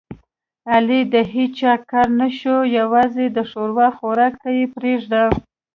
علي د هېڅ کار نشو یووازې د ښوروا خوراک ته یې پرېږده.